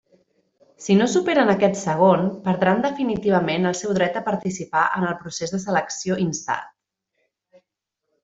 Si no superen aquest segon, perdran definitivament el seu dret a participar en el procés de selecció instat.